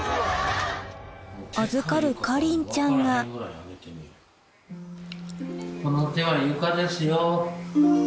預かるかりんちゃんがこの手は床ですよ。